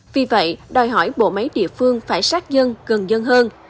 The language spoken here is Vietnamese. vì vậy đòi hỏi bộ máy địa phương phải sát dân gần dân hơn